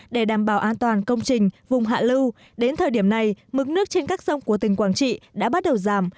để đảm bảo an toàn công trình vùng hạ lưu đến thời điểm này mức nước trên các sông của tỉnh quảng trị đã bắt đầu giảm